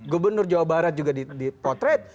gubernur jawa barat juga dipotret